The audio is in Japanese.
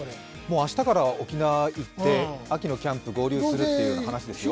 明日から沖縄に行って秋のキャンプに合流するという話ですよ。